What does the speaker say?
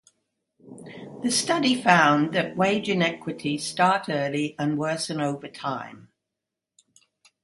The study found that wage inequities start early and worsen over time.